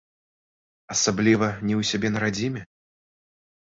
Асабліва не ў сябе на радзіме?